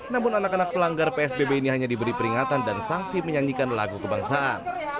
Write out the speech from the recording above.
namun anak anak pelanggar psbb ini hanya diberi peringatan dan sanksi menyanyikan lagu kebangsaan